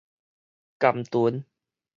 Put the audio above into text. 含脣